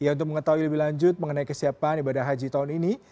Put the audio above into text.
untuk mengetahui lebih lanjut mengenai kesiapan ibadah haji tahun ini